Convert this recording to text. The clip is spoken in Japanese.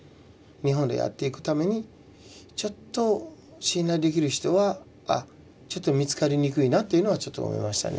日本でやっていくためにちょっと信頼できる人は見つかりにくいなというのはちょっと思いましたね